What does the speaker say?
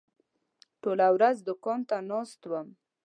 ټوله ورځ دوکان ته ناست وم.